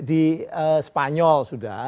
di spanyol sudah